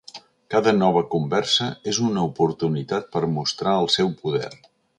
Cada nova conversa és una oportunitat per mostrar el seu poder.